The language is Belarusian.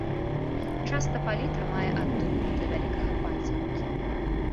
Часта палітра мае адтуліну для вялікага пальца рукі.